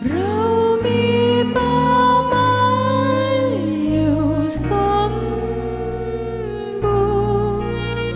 เรามีป่าไม้เยี่ยวสมบูรณ์